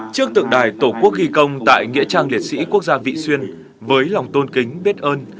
trước tượng đài tổ quốc ghi công tại nghĩa trang liệt sĩ quốc gia vị xuyên với lòng tôn kính biết ơn